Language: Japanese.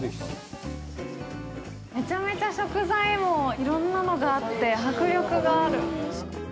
めちゃめちゃ食材もいろんなのがあって、迫力がある！